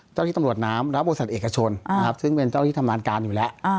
เจ้าที่ตำรวจน้ำและบริษัทเอกชนนะครับซึ่งเป็นเจ้าที่ทำงานการอยู่แล้ว